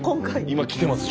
今来てます